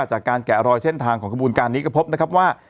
แกะรอยเส้นทางของขบวนการนี้ก็พบนะครับว่า